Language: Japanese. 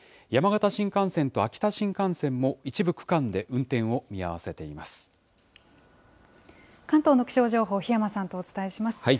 山形新幹線と秋田新幹線も一部区関東の気象情報、檜山さんとお伝えします。